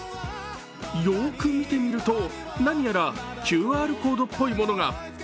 よーく見てみると、何やらＱＲコードっぽいものが。